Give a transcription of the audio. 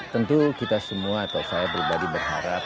tentu kita semua atau saya berpikir